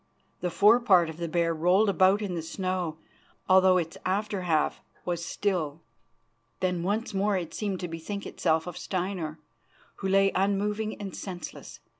The forepart of the bear rolled about in the snow, although its after half was still. Then once more it seemed to bethink itself of Steinar, who lay unmoving and senseless.